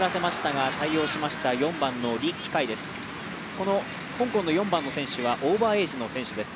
この香港の４番の選手はオーバーエージの選手です